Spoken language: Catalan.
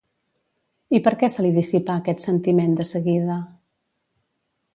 I per què se li dissipà aquest sentiment de seguida?